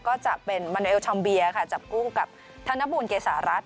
ก็จะเป็นมันวเตเยลชอมเบียค่ะจับกู้กับท่านบูรเกษารัช